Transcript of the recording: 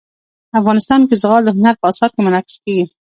افغانستان کې زغال د هنر په اثار کې منعکس کېږي.